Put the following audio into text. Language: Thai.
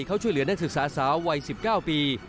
เขาช่วยเหลือนักศึกษาสาววัย๑๙ปี